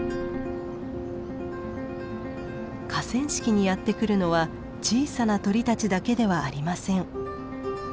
河川敷にやって来るのは小さな鳥たちだけではありません。